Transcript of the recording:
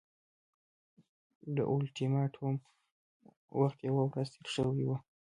د اولټیماټوم وخت یوه ورځ تېر شوی وو.